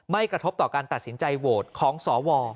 กระทบต่อการตัดสินใจโหวตของสว